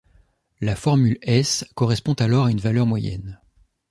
La formule S correspond alors à une valeur moyenne.